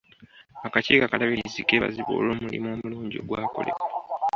Akakiiko akalabirizi kebazibwa olw'omulimu omulungi ogwakolebwa.